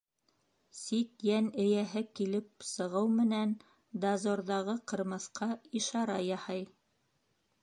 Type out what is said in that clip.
Сит йән эйәһе килеп сығыу менән дозорҙағы ҡырмыҫҡа ишара яһай.